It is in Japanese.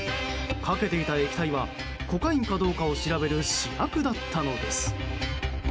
かけていた液体はコカインかどうかを調べる試薬だったのです。